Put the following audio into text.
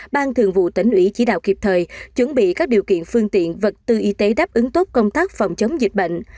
ban thường vụ tỉnh ủy chỉ đạo kịp thời chuẩn bị các điều kiện phương tiện vật tư y tế đáp ứng tốt công tác phòng chống dịch bệnh